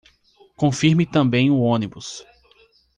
Confirme também o ônibus